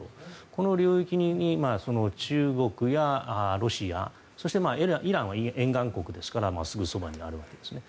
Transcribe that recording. この領域に中国やロシアそしてイランは沿岸国ですからすぐそばにあるわけですね。